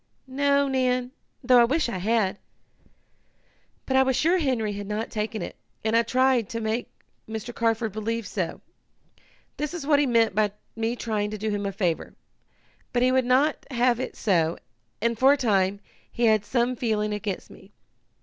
"No, Nan, though I wish I had. But I was sure Henry had not taken it, and I tried to make Mr. Carford believe so. That is what he meant by me trying to do him a favor. But he would not have it so, and, for a time, he had some feeling against me.